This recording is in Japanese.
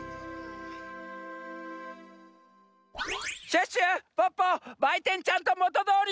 シュッシュポッポばいてんちゃんともとどおりに。